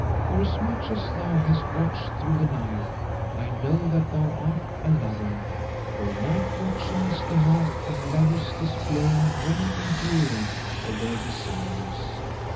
Forasmuch as thou hast watched through the night, I know that thou art a lover; for night watching is the mark of lovers displaying brave endurance of their desires."